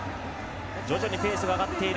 徐々にペースが上がっている。